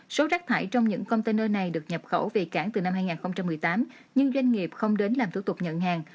số rác thải trong những container này được nhập khẩu về cảng từ năm hai nghìn một mươi tám nhưng doanh nghiệp không đến làm thủ tục nhận hàng